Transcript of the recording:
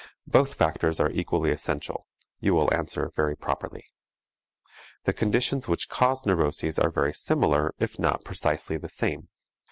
Both factors are equally essential, you will answer very properly. The conditions which cause neuroses are very similar if not precisely the same.